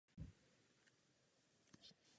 V této bitvě padl.